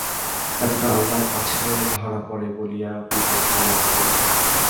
অতটা আহ্লাদ পাছে ধরা পড়ে বলিয়া বিব্রত হইয়া পড়িয়াছে।